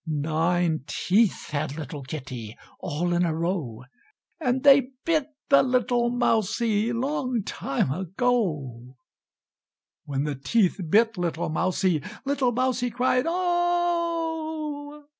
Nine teeth had little kitty, All in a row; And they bit the little mousie, Long time ago. When the teeth bit little mousie, Little mouse cried "Oh!"